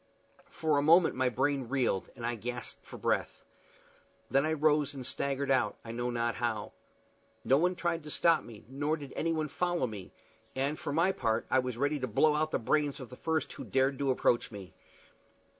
For a moment my brain reeled, and I gasped for breath. Then I rose and staggered out, I know not how. No one tried to stop me, nor did anyone follow me; and, for my part, I was ready to blow out the brains of the first who dared to approach me.